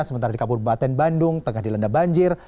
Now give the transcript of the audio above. sementara di kabupaten bandung tengah dilanda banjir